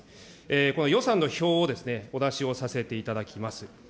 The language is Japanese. この予算の表をお出しをさせていただきます。